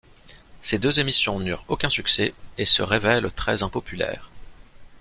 Ces deux émissions n'eurent aucun succès et se révèlent très impopulaires.